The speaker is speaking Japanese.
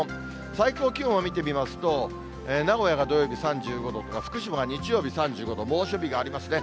最高気温を見てみますと、名古屋が土曜日３５度ととか、福島が日曜日３５度、猛暑日がありますね。